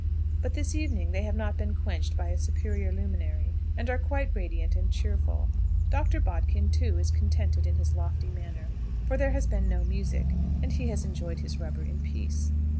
But this evening they have not been quenched by a superior luminary, and are quite radiant and cheerful. Dr. Bodkin, too, is contented in his lofty manner; for there has been no music, and he has enjoyed his rubber in peace.